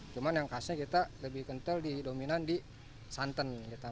cuman yang khasnya kita lebih kental dominan di santan